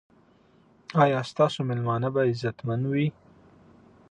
ایا ستاسو میلمانه به عزتمن وي؟